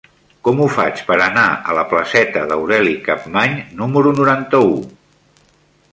Com ho faig per anar a la placeta d'Aureli Capmany número noranta-u?